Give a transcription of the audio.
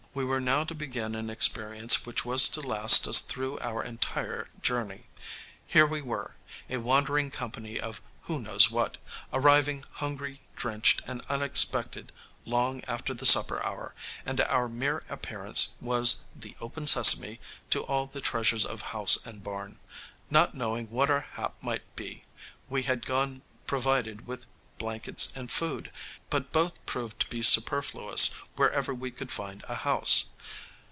We were now to begin an experience which was to last us through our entire journey. Here we were, a wandering company of who knows what, arriving hungry, drenched and unexpected long after the supper hour, and our mere appearance was the "open sesame" to all the treasures of house and barn. Not knowing what our hap might be, we had gone provided with blankets and food, but both proved to be superfluous wherever we could find a house.